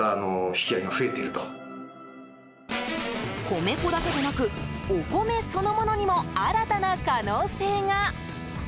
米粉だけでなくお米そのものにも新たな可能性が。